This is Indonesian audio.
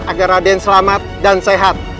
agar raden selamat dan sehat